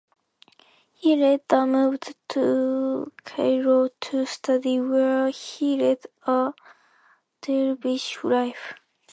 He later moved to Cairo to study where he led a dervish life.